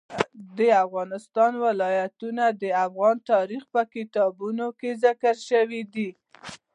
د افغانستان ولايتونه د افغان تاریخ په کتابونو کې ذکر شوی دي.